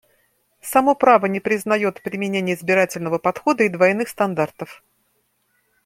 Само право не признает применения избирательного подхода и двойных стандартов.